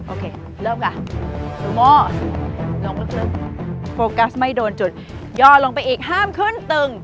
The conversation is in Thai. โอเคเริ่มค่ะซูโม่ลงลึกโฟกัสไม่โดนจุดย่อลงไปอีกห้ามขึ้นตึง